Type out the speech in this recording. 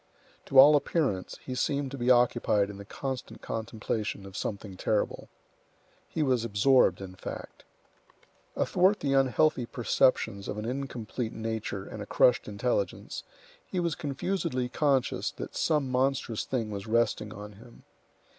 To all appearance, he seemed to be occupied in the constant contemplation of something terrible. He was absorbed, in fact. Athwart the unhealthy perceptions of an incomplete nature and a crushed intelligence, he was confusedly conscious that some monstrous thing was resting on him.